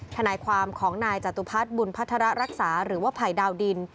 ทนายความของนายจตุพัฒน์บุญพัฒระรักษาหรือว่าภัยดาวดิน